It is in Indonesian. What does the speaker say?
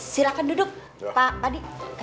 silahkan duduk pak pak d